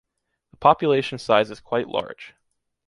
The population size is quite large.